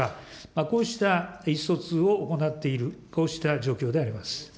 こうした意思疎通を行っている、こうした状況であります。